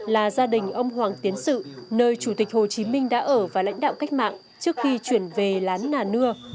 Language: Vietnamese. là gia đình ông hoàng tiến sự nơi chủ tịch hồ chí minh đã ở và lãnh đạo cách mạng trước khi chuyển về lán nà nưa